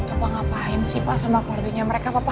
apa ngapain sih pak sama keluarganya mereka papa